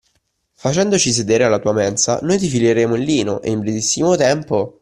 Facendoci sedere alla tua mensa, noi ti fileremo il lino e in brevissimo tempo.